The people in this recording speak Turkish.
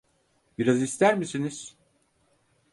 Biraz ister misiniz?